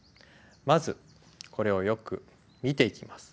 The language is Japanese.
まずこれをよく見ていきます。